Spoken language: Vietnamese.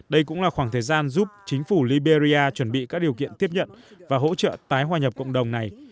đây cũng là khoảng thời gian giúp chính phủ liberia chuẩn bị các điều kiện tiếp nhận và hỗ trợ tái hòa nhập cộng đồng này